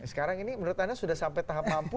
sekarang ini menurut anda sudah sampai tahap mampu